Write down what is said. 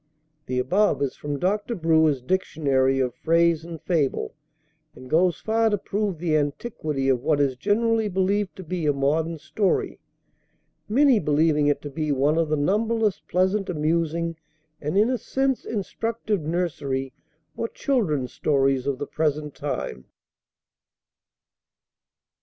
The above is from Dr. Brewer's "Dictionary of Phrase and Fable," and goes far to prove the antiquity of what is generally believed to be a modern story, many believing it to be one of the numberless pleasant, amusing, and in a sense instructive nursery or children's stories of the present time.